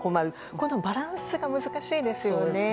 このバランスが難しいですよね。